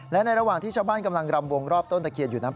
และในระหว่างที่ชาวบ้านกำลังรำวงรอบต้นตะเคียนอยู่นั้น